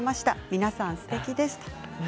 皆さんすてきです。